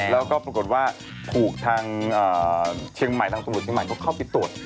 แล้วก็ปรากฏว่าถูกทางเชียงใหม่ทางตำรวจเชียงใหม่ก็เข้าไปตรวจ